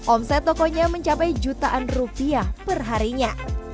omset tokonya mencapai jutaan rupiah perharinya